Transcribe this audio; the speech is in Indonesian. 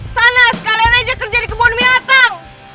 sana sekalian aja kerja di kebun binatang